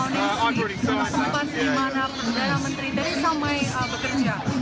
tempat di mana perdana menteri dari samai bekerja